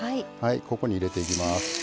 ここに入れていきます。